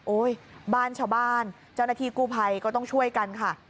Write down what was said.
บ้านชาวบ้านเจ้าหน้าที่กู้ภัยก็ต้องช่วยกันค่ะ